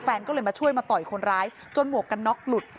แฟนก็เลยมาช่วยมาต่อยคนร้ายจนหมวกกันน็อกหลุด